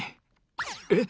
えっ！